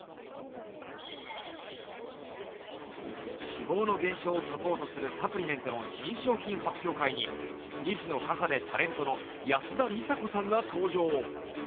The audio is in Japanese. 脂肪の減少をサポートするサプリメントの新作発表会に２児の母でタレントの安田美沙子さんが登場。